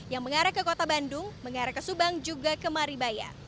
yang mengarah ke kota bandung mengarah ke subang juga ke maribaya